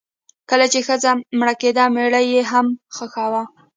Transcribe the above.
کله چې ښځه مړه کیده میړه یې هم خښاوه.